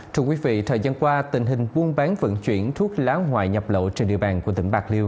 thưa quý vị thời gian qua tình hình buôn bán vận chuyển thuốc láo hoài nhập lộ trên địa bàn của tỉnh bạc liêu